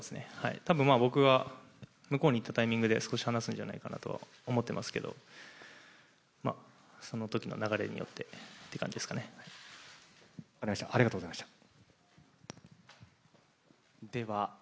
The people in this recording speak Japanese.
たぶん、僕が向こうに行ったタイミングで少し話すんじゃないかなと思ってますけど、そのときの流れによってという感じじゃないですかね。